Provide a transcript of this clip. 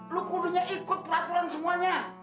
lo gurunya ikut peraturan semuanya